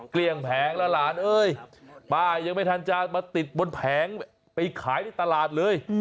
เกลี้ยงแผงแล้วหลานเอ้ยป้ายังไม่ทันจะมาติดบนแผงไปขายในตลาดเลย